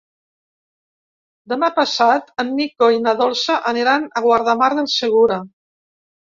Demà passat en Nico i na Dolça aniran a Guardamar del Segura.